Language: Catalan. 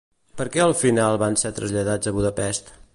Per què al final van ser traslladats a Budapest?